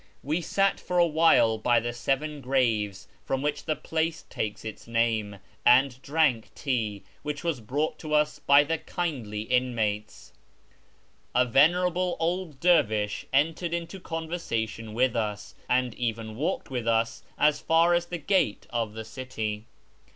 AVe sat for a while by the seven graves from which the place takes its name, and drank tea, which was brouglit to us by the kindly inmates. A venerable old den^ish entered into conversa tion with us, and even walked with us as far as the gate of the city.